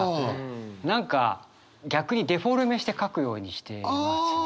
何か逆にデフォルメして書くようにしてますね。